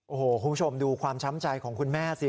โอ้โหคุณผู้ชมดูความช้ำใจของคุณแม่สิ